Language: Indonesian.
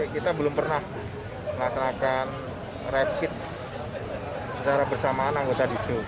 kita belum pernah melaksanakan rapit secara bersamaan anggota disu